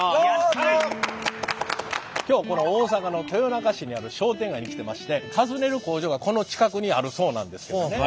今日この大阪の豊中市にある商店街に来てまして訪ねる工場がこの近くにあるそうなんですけどね。